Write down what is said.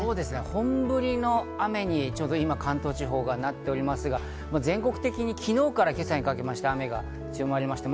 本降りの雨に、ちょうど今、関東地方がなっておりますが、全国的に昨日から今朝にかけまして雨が強まりました。